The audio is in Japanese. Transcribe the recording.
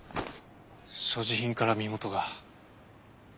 所持品から身元が。